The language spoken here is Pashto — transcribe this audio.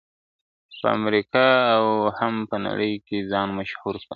په امریکا او هم په نړۍ کي ځان مشهور کړ ..